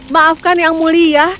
maafkan yang mulia